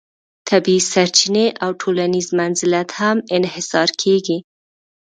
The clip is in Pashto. طبیعي سرچینې او ټولنیز منزلت هم انحصار کیږي.